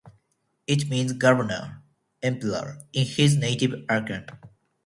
It means "Governor (Emperor)" in his native Akan.